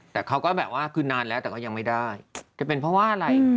แต่เขาก็แบบว่าคือนานแล้วแต่ก็ยังไม่ได้จะเป็นเพราะว่าอะไร